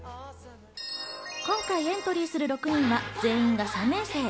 今回、エントリーする６人は全員が３年生。